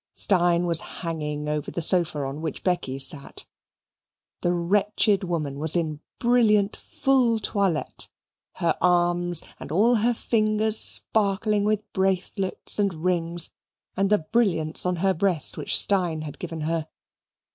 Steyne was hanging over the sofa on which Becky sat. The wretched woman was in a brilliant full toilette, her arms and all her fingers sparkling with bracelets and rings, and the brilliants on her breast which Steyne had given her.